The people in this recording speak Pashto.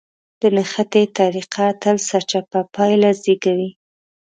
د نښتې طريقه تل سرچپه پايله زېږوي.